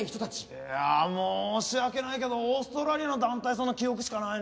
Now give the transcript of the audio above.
いやあ申し訳ないけどオーストラリアの団体さんの記憶しかないねえ。